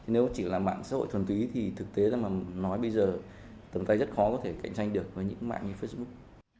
nếu chỉ là mạng xã hội thuần túy thì thực tế ra mà nói bây giờ tầm tay rất khó có thể cạnh tranh được với những mạng như facebook